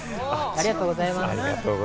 ありがとうございます。